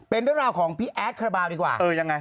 เป็นด้านราวของพี่แอ๊ตครบาลดีกว่า